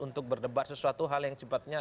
untuk berdebat sesuatu hal yang sifatnya